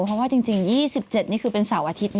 เพราะว่าจริง๒๗นี่คือเป็นเสาร์อาทิตย์